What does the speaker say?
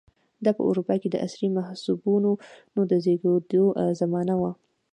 دا په اروپا کې د عصري محبسونو د زېږېدو زمانه وه.